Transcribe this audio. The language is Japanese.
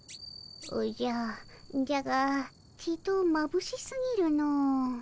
おじゃじゃがちいとまぶしすぎるの。